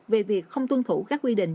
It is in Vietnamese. về việc không tuân thủ các quy định